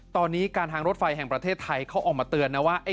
ตอนนี้การทางรถไฟแห่งประเทศไทยเขาออกมาเตือนนะว่า